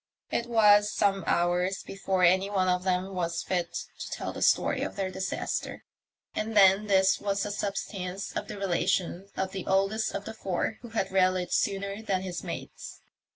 It was some hours before any one of them was fit to tell the story of their disaster, and then this was the substance of the relation of the oldest of the four, who had rallied sooner than his mates.